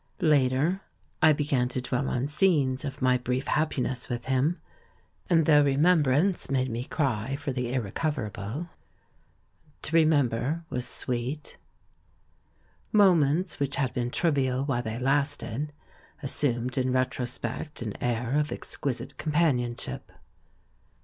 Later, I began to dwell on scenes of my brief happiness with him, and though remembrance made me cry for the irrecoverable, to remember was sweet. Moments which had been trivial while they lasted assumed in retrospect an air of ex quisite companionship.